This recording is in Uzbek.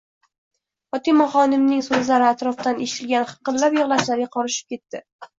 Fotimaxonimning so'zlari atrofdan eshitilgan hiqillab yig'lashlarga qorishib ketdi.